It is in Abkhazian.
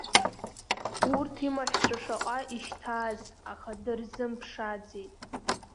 Урҭ имаҳәцәа шаҟа ишьҭааз, аха дырзымԥшааӡеит.